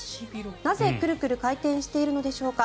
なぜ、くるくる回転しているのでしょうか。